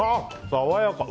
爽やか。